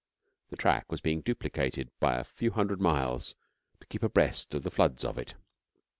The track was being duplicated by a few hundred miles to keep abreast of the floods of it.